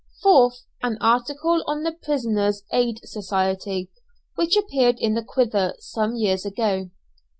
4th An article on the "Prisoners' Aid Society" which appeared in the "Quiver," some years ago.